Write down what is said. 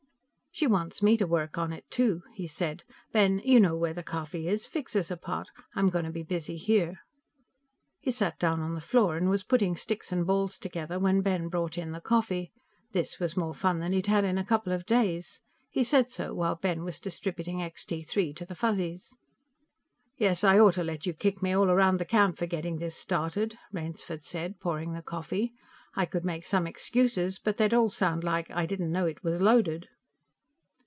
"She wants me to work on it, too," he said. "Ben, you know where the coffee is; fix us a pot. I'm going to be busy here." He sat down on the floor, and was putting sticks and balls together when Ben brought in the coffee. This was more fun than he'd had in a couple of days. He said so while Ben was distributing Extee Three to the Fuzzies. "Yes, I ought to let you kick me all around the camp for getting this started," Rainsford said, pouring the coffee. "I could make some excuses, but they'd all sound like 'I didn't know it was loaded.'"